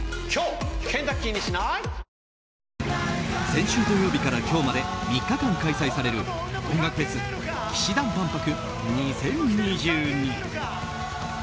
先週土曜日から今日まで３日間開催される音楽フェス「氣志團万博２０２２」。